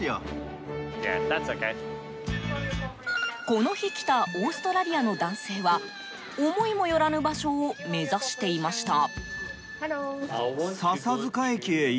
この日来たオーストラリアの男性は思いもよらぬ場所を目指していました。